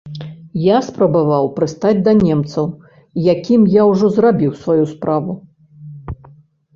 Я спрабаваў прыстаць да немцаў, якім я ўжо зрабіў сваю справу.